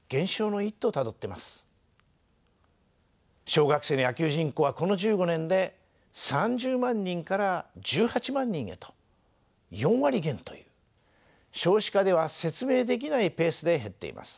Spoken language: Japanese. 小学生の野球人口はこの１５年で３０万人から１８万人へと４割減という少子化では説明できないペースで減っています。